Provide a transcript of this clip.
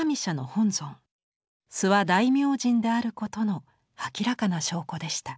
諏訪大明神であることの明らかな証拠でした。